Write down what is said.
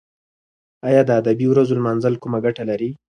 ایا د ادبي ورځو لمانځل کومه ګټه لري؟